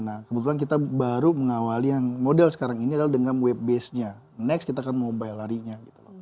nah kebetulan kita baru mengawali model sekarang ini adalah dengan web basednya next kita akan mobile larinya